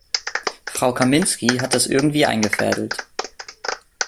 Frau Kaminski hat das irgendwie eingefädelt.